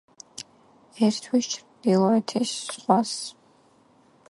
ერთვის ჩრდილოეთის ზღვას.